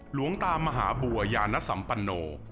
หลวงตามหาบัวยานสัมปโน